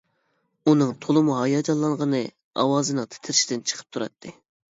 ئۇنىڭ تولىمۇ ھاياجانلانغىنى ئاۋازىنىڭ تىترىشىدىن چىقىپ تۇراتتى.